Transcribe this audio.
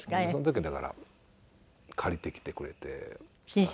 その時はだから借りてきてくれて。